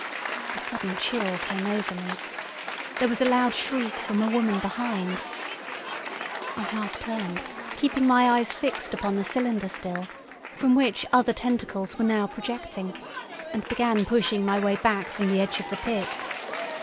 A sudden chill came over me. There was a loud shriek from a woman behind. I half turned, keeping my eyes fixed upon the cylinder still, from which other tentacles were now projecting, and began pushing my way back from the edge of the pit.